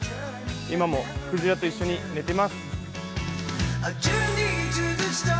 今もくじらと一緒に寝てます。